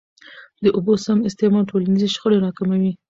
د اوبو سم استعمال ټولنیزي شخړي را کموي.